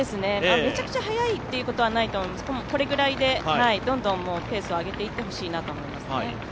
めちゃくちゃ速いってことはないと思いますがこれぐらいでどんどんペースを上げていってほしいと思います。